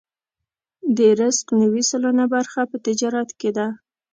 د رزق نوې سلنه برخه په تجارت کې ده.